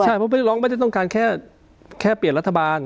ใช่เพราะพี่ร้องไม่ได้ต้องการแค่เปลี่ยนรัฐบาล